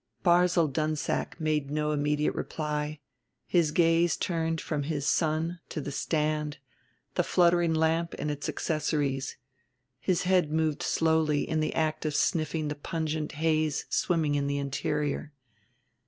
Barzil Dunsack made no immediate reply; his gaze turned from his son to the stand, the fluttering lamp and its accessories. His head moved slowly in the act of sniffing the pungent haze swimming in the interior.